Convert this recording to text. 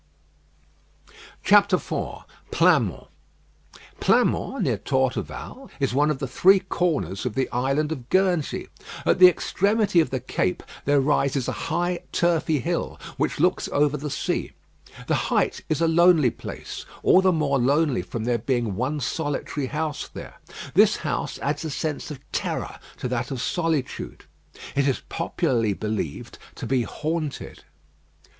IV PLEINMONT Pleinmont, near Torteval, is one of the three corners of the island of Guernsey. At the extremity of the cape there rises a high turfy hill, which looks over the sea. The height is a lonely place. All the more lonely from there being one solitary house there. This house adds a sense of terror to that of solitude. It is popularly believed to be haunted.